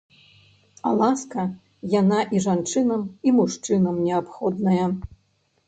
А ласка, яна і жанчынам і мужчынам неабходная.